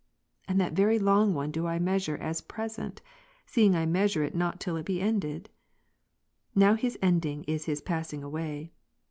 And that very long one do I measure as present, seeing I measure it not till it be ended ? Now his ending is his passing away.